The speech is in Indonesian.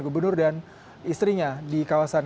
gubernur dan istrinya di kawasan